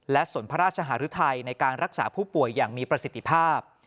และส่วนพระราชหารุทัยในการรักษาผู้ป่วยอย่างมีประสิทธิภาพ